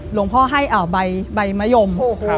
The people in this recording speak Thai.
หลวงพ่อให้ใบมะยม